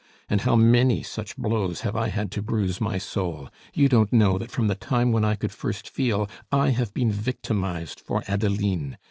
And how many such blows have I had to bruise my soul! You don't know that from the time when I could first feel, I have been victimized for Adeline.